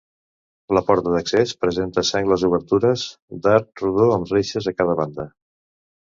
La porta d'accés presenta sengles obertures d'arc rodó amb reixes a cada banda.